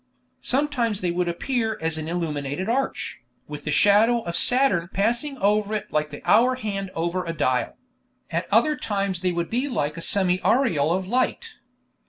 Sometimes they would appear as an illuminated arch, with the shadow of Saturn passing over it like the hour hand over a dial; at other times they would be like a semi aureole of light.